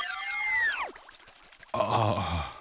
ああ。